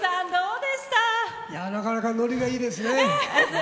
なかなかノリがいいですね。